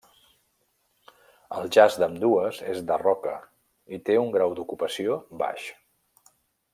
El jaç d'ambdues és de roca i té un grau d'ocupació baix.